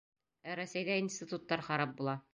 Ә Рәсәйҙә институттар харап була.